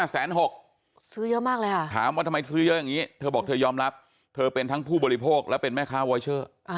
ซื้อเยอะมากเลยค่ะถามว่าทำไมซื้อเยอะอย่างนี้เธอบอกเธอยอมรับเธอเป็นทั้งผู้บริโภคและเป็นแม่ค้าวอเชอร์